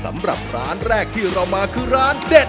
สำหรับร้านแรกที่เรามาคือร้านเด็ด